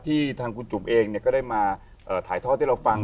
ที่ทางคุณจุบเองก็ได้มาถ่ายท่อที่เราฟัง